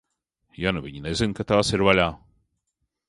Ja nu viņi nezina, ka tās ir vaļā?